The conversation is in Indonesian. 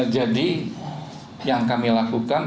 jadi yang kami lakukan